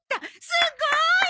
すごーい！